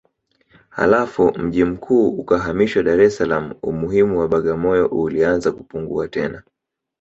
Halafu mji mkuu ukahamishwa Dar es Salaam Umuhimu wa Bagamoyo ulianza kupungua tena